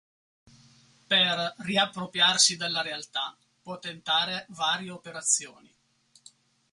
Per riappropriarsi della realtà, può tentare varie operazioni.